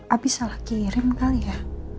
api salah kirim kali ya